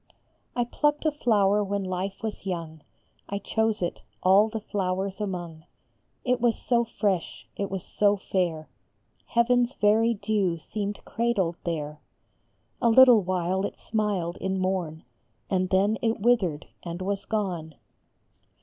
I plucked a flower when life was young, I chose it all the flowers among. It was so fresh, it was so fair, Heaven s very dew seemed cradled there ; 130 A WITHERED VIOLET. A little while it smiled in morn, And then it withered and was gone.